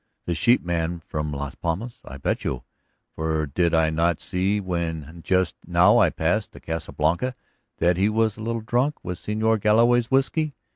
The sheepman from Las Palmas, I bet you. For did I not see when just now I passed the Casa Blanca that he was a little drunk with Señor Galloway's whiskey?